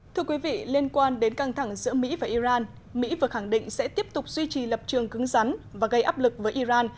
thưa quý vị liên quan đến căng thẳng giữa mỹ và iran mỹ vừa khẳng định sẽ tiếp tục duy trì lập trường cứng rắn và gây áp lực với iran